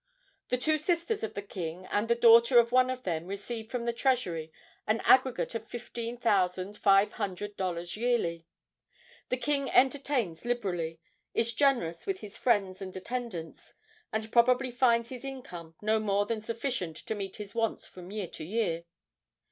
The two sisters of the king and the daughter of one of them receive from the treasury an aggregate of fifteen thousand five hundred dollars yearly. The king entertains liberally, is generous with his friends and attendants, and probably finds his income no more than sufficient to meet his wants from year to year.